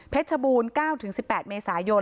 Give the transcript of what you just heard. เพชบูรตั้งแต่๙ถึง๑๘เมษายน